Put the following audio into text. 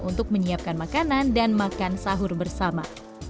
untuk menyiapkan makanan dan makan sahur bersama